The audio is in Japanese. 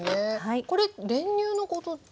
これ練乳のことですか？